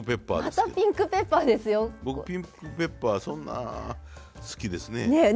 僕ピンクペッパーそんな好きですね。